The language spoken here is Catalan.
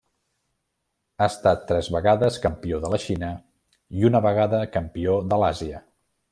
Ha estat tres vegades campió de la Xina i una vegada campió de l'Àsia.